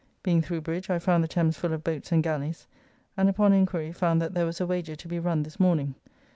Being through bridge I found the Thames full of boats and gallys, and upon inquiry found that there was a wager to be run this morning.